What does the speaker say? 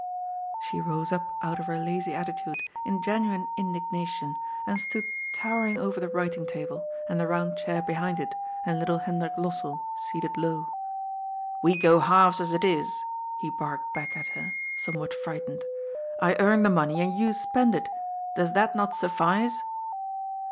" 296 GOD'S FOOL. She rose up out of her lazy attitude in genuine indigna tion, and Btood towering over the writing table, and the round chair behind it, and little Hendrik Lossell, seated low. ^ We go halves, as it is," he barked back at her, some what frightened. ^'I earn the money and you spend it; does that not suffice